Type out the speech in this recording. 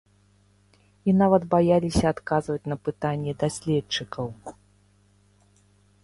І нават баяліся адказваць на пытанні даследчыкаў!